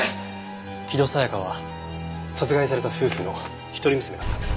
木戸沙也加は殺害された夫婦の一人娘だったんです。